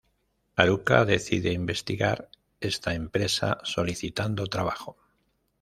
Haruka decide investigar esta empresa solicitando trabajo.